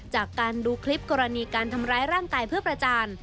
จากการดูคลิปกรณีการทำร้ายร่างกายเพื่อประจาน